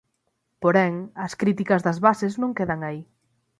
Porén, as críticas das bases non quedan aí.